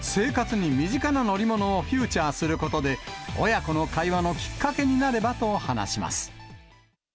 生活に身近な乗り物をフィーチャーすることで、親子の会話のきっかけになればと話します。